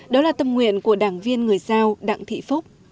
đó là tâm nguyện của đảng viên người giao đặng thị phúc